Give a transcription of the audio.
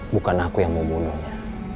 bukan aku yang mau bunuhnya